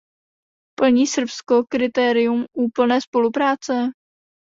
Plní Srbsko kritérium úplné spolupráce?